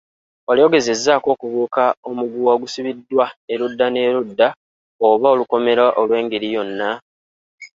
Wali ogezezzaako okubuuka omuguwa ogusibiddwa eludda n'eludda oba olukomera olw'engeri yonna?